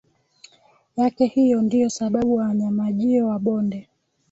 yake hiyo ndiyo sababu wanyamajio wa bonde